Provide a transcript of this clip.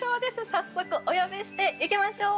早速お呼びしていきましょう。